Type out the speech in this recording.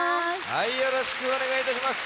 はいよろしくおねがいいたします。